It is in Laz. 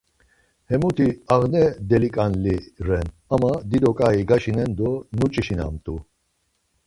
Hemuti ağne deliǩanli ren ama dido ǩai gaşinen do nuç̌işinamt̆u.